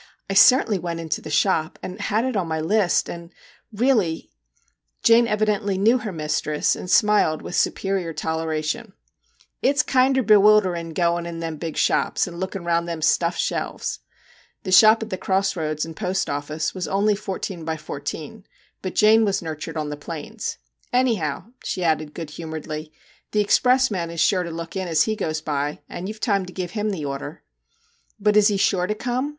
I certainly went into the shop, and had it on my list and really ' Jane evidently knew her mistress, and smiled with superior toleration :' It 's kinder bewilderin' goin' in them big shops, and lookin' round them stuffed shelves.' The shop at the cross roads and post office was only 14x14, but Jane was nurtured on the Plains. ' Anyhow,' she added good humouredly, ' the express man is sure to look in as he goes by, and you 've time to give him the order.' * But is he sure to come